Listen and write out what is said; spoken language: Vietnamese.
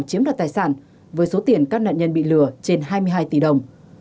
các thủ đoạn lừa đào đã chiếm đặt tài sản với số tiền các nạn nhân bị lừa trên hai mươi hai tỷ đồng